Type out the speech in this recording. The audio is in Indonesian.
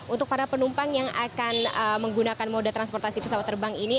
untuk para penumpang yang akan menggunakan moda transportasi pesawat terbang ini